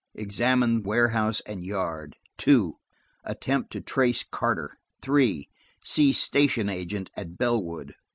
Examine warehouse and yard. 2. Attempt to trace Carter. 3. See station agent at Bellwood.